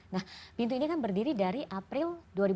nah pintu ini kan berdiri dari april dua ribu dua puluh